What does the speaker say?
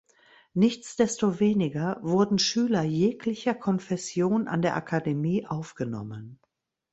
Nichtsdestoweniger wurden Schüler jeglicher Konfession an der Akademie aufgenommen.